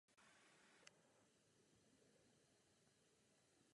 Antiochos si nakonec vybral ústup.